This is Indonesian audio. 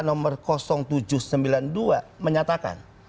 nomor tujuh ratus sembilan puluh dua menyatakan